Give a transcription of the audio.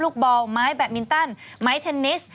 ลูกบอลไม้แบบมินตันไม้เทนนิส